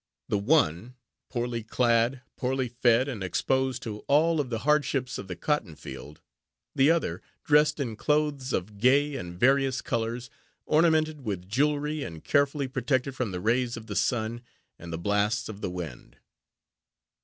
The one, poorly clad, poorly fed, and exposed to all the hardships of the cotton field; the other dressed in clothes of gay and various colors, ornamented with jewelry, and carefully protected from the rays of the sun, and the blasts of the wind.